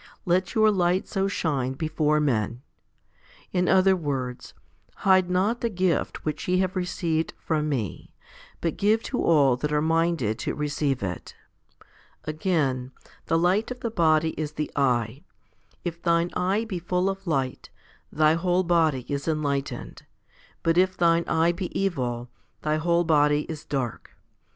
2 Let your light so shine before men. In other words, Hide not the gift which ye have received from Me, but give to all that are minded to receive it. Again, The light of the body is the eye ; if thine eye be full of light, thy whole body is enlightened, but if thine eye be evil, thy whole body is dark.